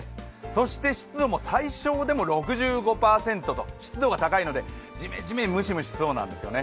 そして湿度も最小でも６５％と湿度が高いので、ジメジメムシムシしそうなんですよね。